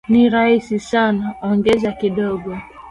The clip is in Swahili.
Ni rahisi sana, ongeza kidogo